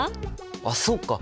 あそうか！